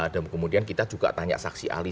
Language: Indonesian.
dan kemudian kita juga tanya saksi ahli